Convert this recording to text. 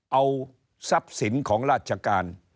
เอาทรัพย์สินของราชการ